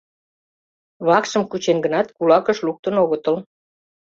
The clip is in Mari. Вакшым кучен гынат, кулакыш луктын огытыл.